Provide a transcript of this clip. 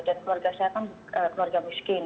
dan keluarga saya kan keluarga miskin